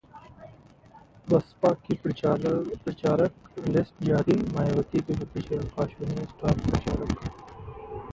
बसपा की प्रचारक लिस्ट जारी, मायावती के भतीजे आकाश बने स्टार प्रचारक